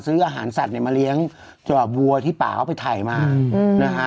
ซื้ออาหารสัตว์เนี่ยมาเลี้ยงวัวที่ป่าเขาไปถ่ายมานะฮะ